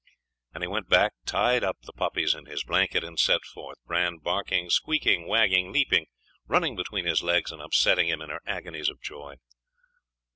And he went back, tied up the puppies in his blanket, and set forth, Bran barking, squeaking, wagging, leaping, running between his legs and upsetting him, in her agonies of joy.